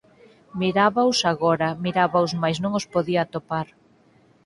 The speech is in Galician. Mirábaos agora, mirábaos mais non os podía atopar.